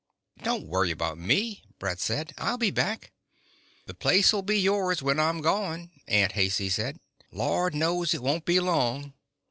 "Don't worry about me," Brett said. "I'll be back." "The place'll be yours when I'm gone," Aunt Haicey said. "Lord knows it won't be long."